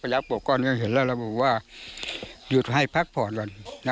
ยาปวกก่อนก็เห็นแล้วแล้วบอกว่าหยุดให้พักผ่อนก่อนนะ